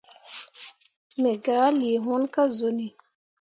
Me gah lii hunni ka zuni.